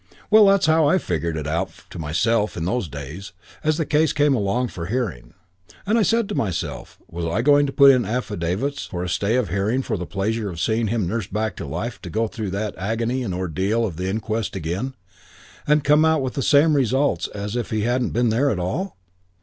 "Well, that was how I figured it out to myself in those days, as the case came along for hearing; and I said to myself: Was I going to put in affidavits for a stay of hearing for the pleasure of seeing him nursed back to life to go through that agony and ordeal of the inquest again and come out with the same result as if he hadn't been there at all?